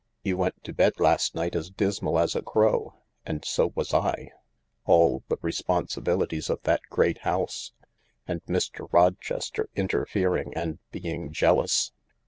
You went to bed last night as dismal as a crow, and so was I— all the responsibilities of that great house, and Mr. Rochester interfering and being jealous